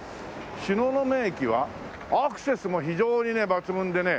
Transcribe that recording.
東雲駅はアクセスも非常に抜群でね